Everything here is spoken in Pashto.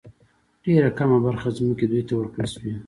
ډېره کمه برخه ځمکې دوی ته ورکړل شوې.